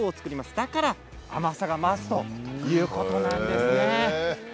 だから甘さが増すということなんです。